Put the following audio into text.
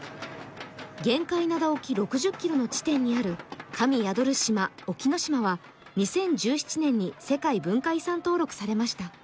玄界灘沖６０ｋｍの地点にある「神宿る島」神宿る島・沖ノ島は２０１７年に世界文化遺産登録されました。